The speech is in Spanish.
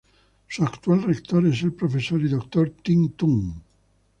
Su actual rector es el profesor y doctor Tin Tun.